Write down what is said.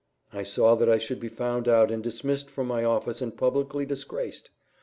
I saw that I should be found out and dismissed from my office and publicly disgraced.